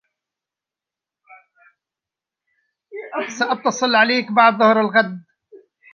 سأتصل عليك بعد ظهر الغد.